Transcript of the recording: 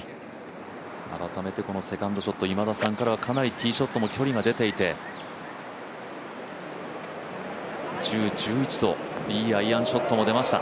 改めてセカンドショット、今田さんからはかなりティーショットも距離が出ていて１０、１１といいアイアンショットも出ました。